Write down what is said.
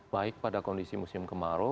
baik pada kondisi musim kemarau